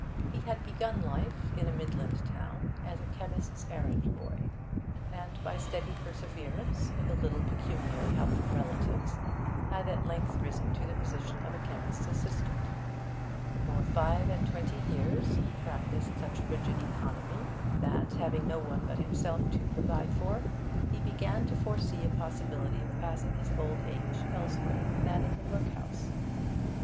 He had begun life, in a midland town, as a chemist's errand boy, and by steady perseverance, with a little pecuniary help from relatives, had at length risen to the position of chemist's assistant. For five and twenty years he practised such rigid economy that, having no one but himself to provide for, he began to foresee a possibility of passing his old age elsewhere than in the workhouse.